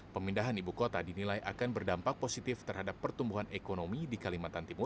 pemindahan ibu kota dinilai akan berdampak positif terhadap pertumbuhan ekonomi di kalimantan timur